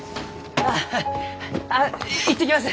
あっい行ってきます！